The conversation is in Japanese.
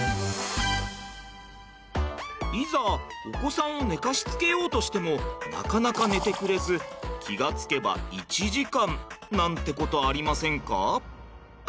お子さんを寝かしつけようとしてもなかなか寝てくれず気が付けば１時間なんてことありませんか？